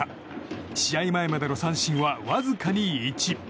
試合前までの三振はわずかに１。